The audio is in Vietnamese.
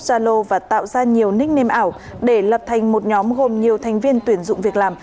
zalo và tạo ra nhiều nicknam ảo để lập thành một nhóm gồm nhiều thành viên tuyển dụng việc làm